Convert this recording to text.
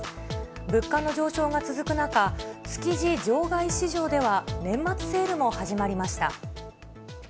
物価の上昇が続く中、築地場外市場では、年末セールも始まりました。